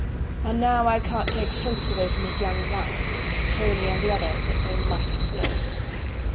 And now I can't take Ffoulkes away from his young wife, and Tony and the others are so mighty slow."